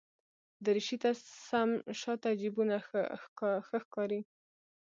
دریشي ته سم شاته جېبونه ښه ښکاري.